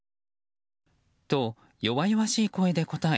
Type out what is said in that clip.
と、弱々しい声で答え